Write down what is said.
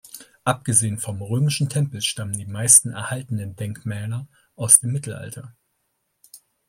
Abgesehen vom römischen Tempel stammen die meisten erhaltenen Denkmäler aus dem Mittelalter.